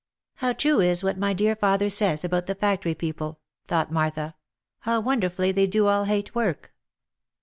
" How true is what my dear father says about the factory people," thought Martha —" how wonderfully they do all hate work